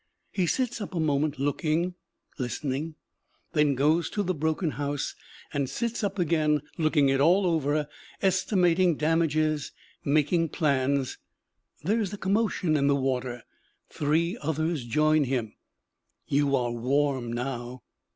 He sits up a moment, looking, listening; then goes to the broken house and sits up again, looking it all over, estimating damages, making plans. There is a commotion in the water; three others join him you are warm now.